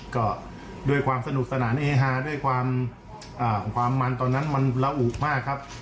ก็ด้วยความสนุกสนานเฮฮาด้วยความมันตอนนั้นมันระอุมากครับ